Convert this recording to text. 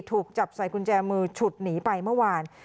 ถูกจับใส่กุญแจมือฉุดหนีไปเมื่อวาน